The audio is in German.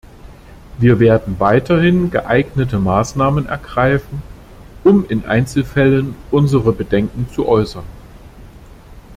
Wir werden weiterhin geeignete Maßnahmen ergreifen, um in Einzelfällen unsere Bedenken zu äußern.